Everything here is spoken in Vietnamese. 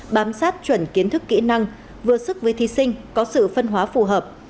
bám sát chuẩn kiến thức kỹ năng vừa sức với thí sinh có sự phân hóa phù hợp